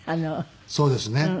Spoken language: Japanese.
そうですね。